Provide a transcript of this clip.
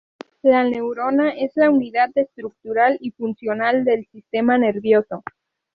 La neurona es la unidad estructural y funcional del sistema nervioso.